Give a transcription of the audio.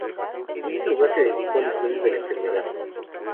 En ese lugar se dedicó al estudio de la enfermedad.